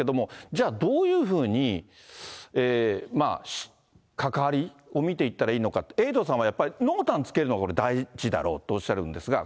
じゃあ、どういうふうに関わりを見ていったらいいのかっていったら、エイトさんはやっぱり、濃淡つけるのが大事だろうとおっしゃるんですが。